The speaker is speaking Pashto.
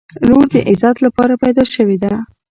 • لور د عزت لپاره پیدا شوې ده.